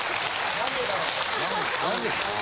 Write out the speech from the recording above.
何でだろう？